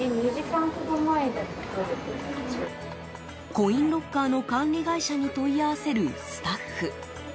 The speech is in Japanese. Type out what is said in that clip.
コインロッカーの管理会社に問い合わせるスタッフ。